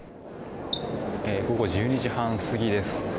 午後１２時半過ぎです。